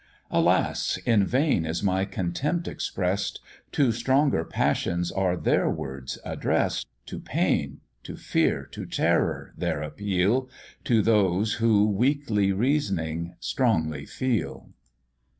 Alas! in vain is my contempt express'd, To stronger passions are their words address'd; To pain, to fear, to terror, their appeal, To those who, weakly reasoning, strongly feel.